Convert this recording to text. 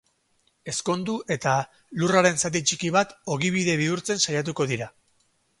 Ezkondu eta lurraren zati txiki bat ogibide bihurtzen saiatuko dira.